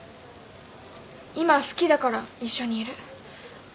今好きだから一緒にいる。